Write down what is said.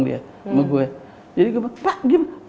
dia sama gue jadi gue pak gimana